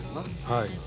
はい。